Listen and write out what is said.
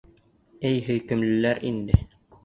Эй, һөйкөмлөләр инде!..